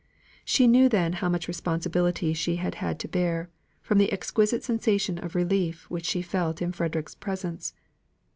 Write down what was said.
She knew then how much responsibility she had had to bear, from the exquisite sensation of relief which she felt in Frederick's presence.